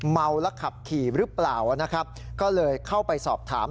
เมาแล้วขับขี่หรือเปล่านะครับก็เลยเข้าไปสอบถาม